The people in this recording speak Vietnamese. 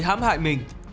hãm hại mình